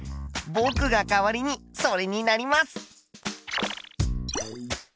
ぼくが代わりにそれになります！